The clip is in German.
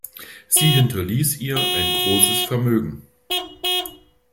Sie hinterließ ihr ein großes Vermögen.